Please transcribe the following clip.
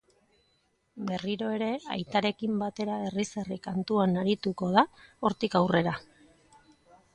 Berriro ere aitarekin batera herriz-herri kantuan arituko da hortik aurrera.